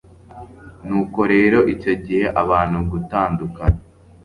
nuko rero icyo gihe abantu gutandukana